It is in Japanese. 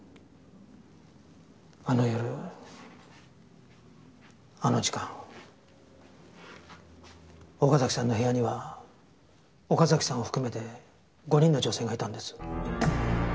あの夜あの時間岡崎さんの部屋には岡崎さんを含めて５人の女性がいたんです。